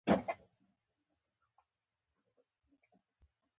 د نړۍ ځینې ښارونه د خپلو تعلیمي مرکزونو لپاره مشهور دي.